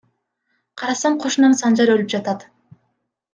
Карасам кошунам Санжар өлүп жатат.